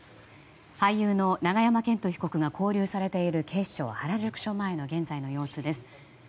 俳優の永山絢斗被告が勾留されている警視庁原宿署前の現在の様子です。